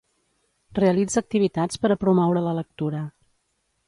Realitza activitats per a promoure la lectura.